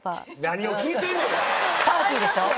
パーティーでしょ？